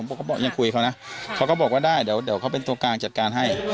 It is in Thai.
ก็ยังคุยเขานะเขาก็บอกว่าได้เดี๋ยวเขาเป็นตัวกลางจัดการให้